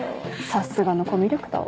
さすがのコミュ力だわ。